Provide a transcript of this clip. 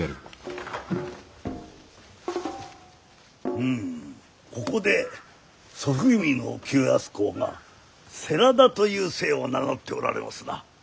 ふむここで祖父君の清康公が世良田という姓を名乗っておられますな。